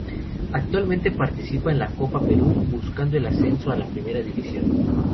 Actualmente participa en la Copa Perú, buscando el ascenso a la Primera División.